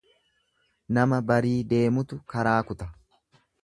Nama barii deemetu karaa kuta.